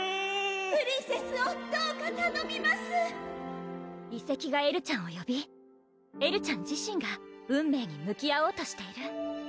プリンセスをどうかたのみます遺跡がエルちゃんをよびエルちゃん自身が運命に向き合おうとしている